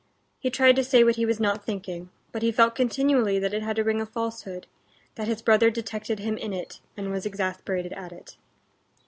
He tried to say what he was not thinking, but he felt continually that it had a ring of falsehood, that his brother detected him in it, and was exasperated at it.